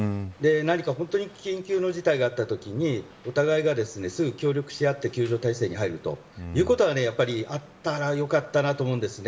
何か本当に緊急の事態があったときにお互いがすぐ協力し合って救助体制に入るということはあったらよかったなと思うんです。